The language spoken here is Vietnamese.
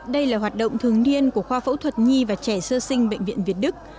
đây là hoạt động thường niên của khoa phẫu thuật nhi và trẻ sơ sinh bệnh viện việt đức